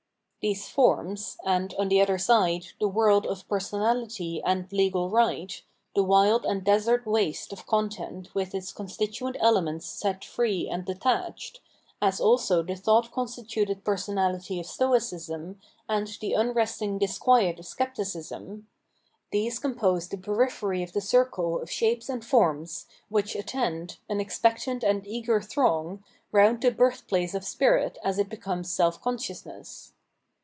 These forms, and, on the other side, the world of personahty and legal right, the wild and desert waste of content with its constituent elements set free and detached, as also the thought constituted personahty of Stoicism, and the xmresting disquiet of Scepticism — these compose the periphery of the circle of shapes and forms, which attend, an expectant and eager throng, round the birthplace of spirit as it becomes self consciousness.